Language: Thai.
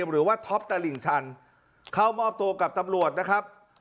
หรือว่าท็อปตลิ่งชันเข้ามอบตัวกับตำรวจนะครับ